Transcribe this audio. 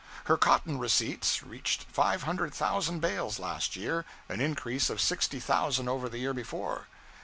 Her cotton receipts reached five hundred thousand bales last year an increase of sixty thousand over the year before.